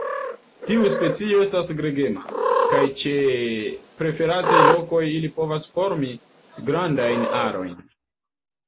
Tiu specio estas gregema, kaj ĉe preferataj lokoj ili povas formi grandajn arojn.